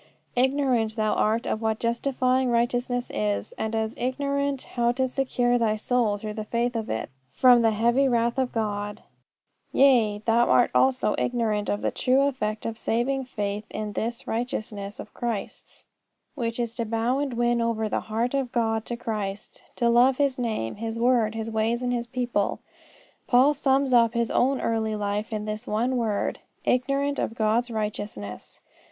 Ignorant thou art of what justifying righteousness is, and as ignorant how to secure thy soul through the faith of it from the heavy wrath of God. Yea, thou also art ignorant of the true effect of saving faith in this righteousness of Christ's, which is to bow and win over the heart to God in Christ, to love His name, His word, His ways, and His people." Paul sums up all his own early life in this one word, "ignorant of God's righteousness."